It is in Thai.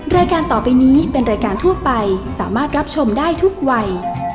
รายการต่อไปนี้เป็นรายการทั่วไปสามารถรับชมได้ทุกวัย